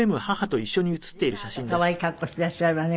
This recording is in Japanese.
随分あなた可愛い格好してらっしゃるわね